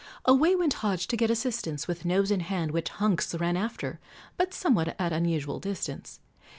Away went Hodge to get assistance, With nose in hand, which Hunks ran after, But somewhat at unusual distance.